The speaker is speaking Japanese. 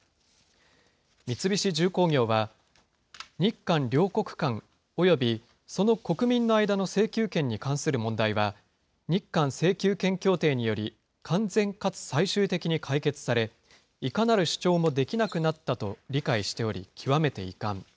三菱重工業は、日韓両国間、およびその国民の間の請求権に関する問題は、日韓請求権協定により、完全かつ最終的に解決され、いかなる主張もできなくなったと理解しており、極めて遺憾。